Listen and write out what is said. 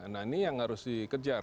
nah ini yang harus dikejar